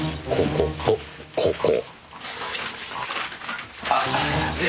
こことここ。